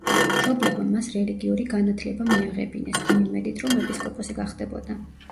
მშობლებმა მას რელიგიური განათლება მიაღებინეს, იმ იმედით რომ ეპისკოპოსი გახდებოდა.